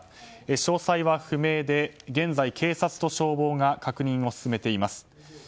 詳細は不明で現在、警察と消防が確認を進めています。